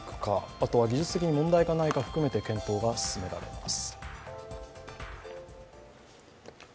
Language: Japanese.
あとは技術的に問題がないか検討が進められます。